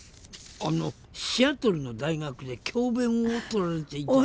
あのシアトルの大学で教べんをとられていた。